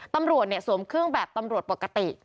ตำรวจสวมเครื่องแบบตำรวจปกติ